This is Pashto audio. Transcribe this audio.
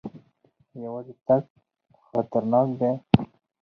یوازې تګ خطرناک دی.